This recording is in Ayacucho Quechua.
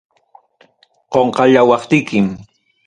Qonqallawaptikim.